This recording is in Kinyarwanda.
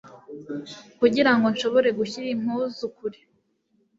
kugirango nshobore gushyira impuzu kure